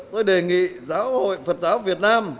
tôi đề nghị giáo hội phật giáo việt nam